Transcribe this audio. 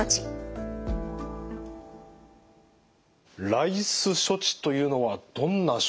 ＲＩＣＥ処置というのはどんな処置ですか？